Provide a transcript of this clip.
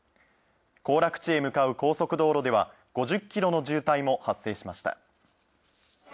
行楽地へ向かう高速道路では、５０キロの渋滞も発生しました。